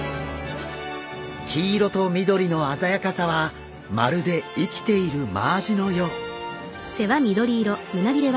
黄色と緑の鮮やかさはまるで生きているマアジのよう。